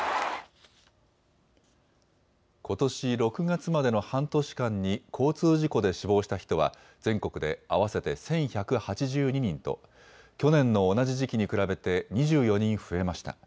ことし６月までの半年間に交通事故で死亡した人は全国で合わせて１１８２人と去年の同じ時期に比べて２４人増えました。